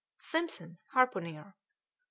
Simpson, harpooner; 7.